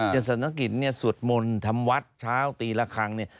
ศรกิจเนี่ยสวดมนต์ทำวัดเช้าตีละครั้งเนี่ย